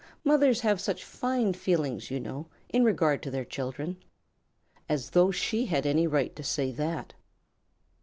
Mothers have such fine feelings, you know, in regard to their children." (As though she had any right to say that!)